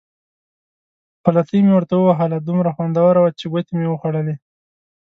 پلتۍ مې ورته ووهله، دومره خوندوره وه چې ګوتې مې وې خوړلې.